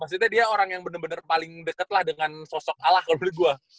maksudnya dia orang yang bener bener paling deket lah dengan sosok allah kalau gue